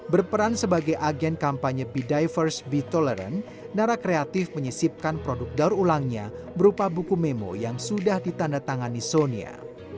berperan sebagai agen kampanye be diverse be tolerant narak kreatif menyisipkan produk darulangnya berupa buku memo yang sudah ditandatangani sonia